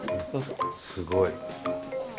すごい。